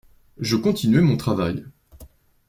Je continuai mon travail.